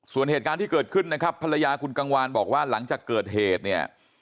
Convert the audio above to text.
ส่วนเหตุการณ์ที่เกิดขึ้นนะครับภรรยาคุณกังวานบอกว่าหลังจากเกิดเหตุเนี่ย